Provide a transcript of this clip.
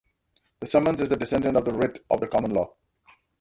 The summons is the descendant of the writ of the common law.